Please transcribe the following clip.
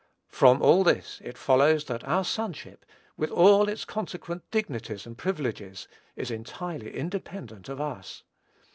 From all this, it follows, that our sonship, with all its consequent dignities and privileges, is entirely independent of us.